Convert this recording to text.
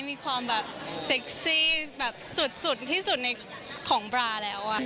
มีความแบบเซ็กซี่แบบสุดที่สุดในของบราแล้ว